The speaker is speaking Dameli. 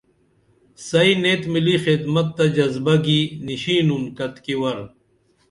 سئی نیت ملی خدمت تہ جذبہ گی نِشِنون کتِکی ور